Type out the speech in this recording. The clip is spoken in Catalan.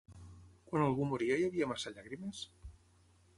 Quan algú moria hi havia massa llàgrimes?